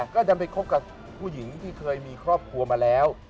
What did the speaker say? ก็ดันไปคบกับผู้หญิงที่เคยมีครอบครัวมาแล้ว